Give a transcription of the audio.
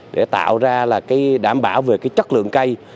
để tạo ra đảm bảo về chất lượng cây